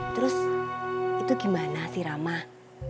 terus itu gimana sih ramah